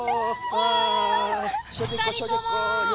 おい２人とも！